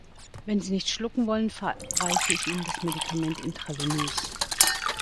Wenn Sie nicht schlucken wollen, verabreiche ich Ihnen das Medikament intravenös.